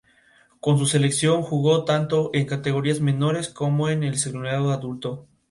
Con su selección jugó tanto en categorías menores como con el seleccionado adulto.